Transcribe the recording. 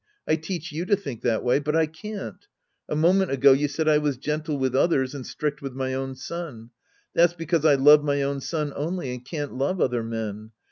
I teach you to think that way. But I can't. A moment ago you said I was gentle with others and strict with my own son. That's because I love my own son only and can't love other men.